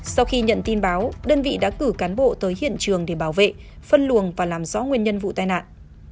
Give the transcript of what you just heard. sau khi nhận tin báo đơn vị đã cử cán bộ tới hiện trường để bảo vệ phân luồng và làm rõ nguyên nhân vụ tai nạn